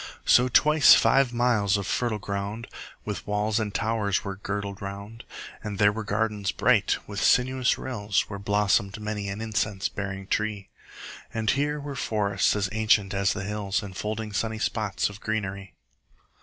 5 So twice five miles of fertile ground With walls and towers were girdled round: And there were gardens bright with sinuous rills Where blossom'd many an incense bearing tree; And here were forests ancient as the hills, 10 Enfolding sunny spots of greenery.